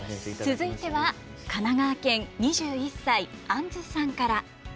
続いて、神奈川県２１歳、あんずさんから。